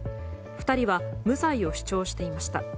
２人は無罪を主張していました。